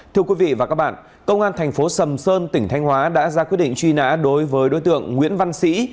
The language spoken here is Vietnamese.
thưa quý vị và các bạn công an thành phố sầm sơn tỉnh thanh hóa đã ra quyết định truy nã đối với đối tượng nguyễn văn sĩ